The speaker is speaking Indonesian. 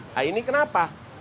nah ini kenapa